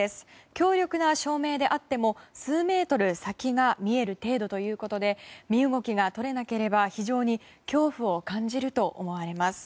強力な照明であっても数メートル先が見える程度ということで身動きが取れなければ非常に恐怖を感じると思われます。